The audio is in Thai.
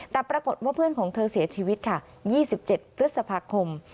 แต่ปรากฏว่าเพื่อนของเธอเสียชีวิตค่ะ๒๗พฤษภาคม